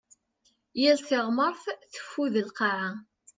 Yal tiɣmert teffud lqaɛa.